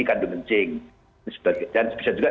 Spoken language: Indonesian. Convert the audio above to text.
kandung kencing dan bisa juga